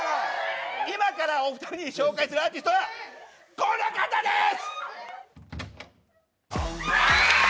今からお二人に紹介するアーティストはこの方です！